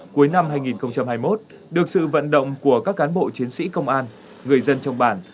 cuối năm hai nghìn hai mươi một được sự vận động của các cán bộ chiến sĩ công an người dân trong bản